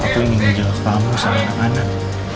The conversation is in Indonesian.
aku ingin menjawab kamu sama anak anak